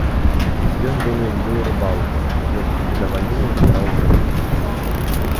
Ён вельмі любіў рыбалку, з вялікім задавальненнем збіраў грыбы.